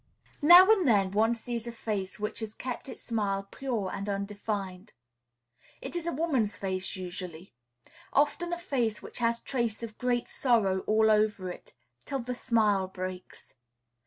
Now and then one sees a face which has kept its smile pure and undefiled. It is a woman's face usually; often a face which has trace of great sorrow all over it, till the smile breaks.